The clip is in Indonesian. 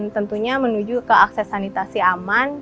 tentunya menuju ke akses sanitasi aman